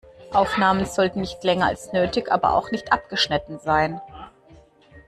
Aufnahmen sollten nicht länger als nötig, aber auch nicht abgeschnitten sein.